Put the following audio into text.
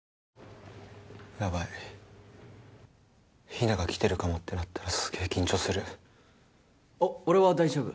やばいヒナが来てるかもってなったらすげぇ緊張するお俺は大丈夫